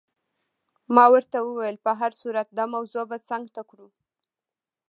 ما ورته وویل: په هر صورت دا موضوع به څنګ ته کړو.